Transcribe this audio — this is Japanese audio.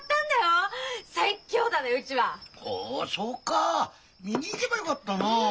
ほうそうかぁ見に行けばよかったなあ。